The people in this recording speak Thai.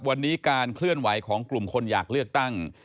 วันนี้การเคลื่อนไหวของกลุ่มคนอยากเลือกตั้ง